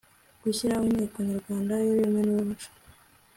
gushyiraho inteko nyarwanda y'ururimi n'umuco